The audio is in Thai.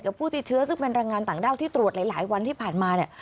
ผู้ติดเชื้อซึ่งเป็นแรงงานต่างด้าวที่ตรวจหลายวันที่ผ่านมาเนี่ย